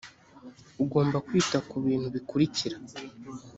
ugomba kwita ku bintu bikurikira